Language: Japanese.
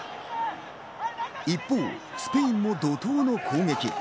一方、スペインも怒涛の攻撃。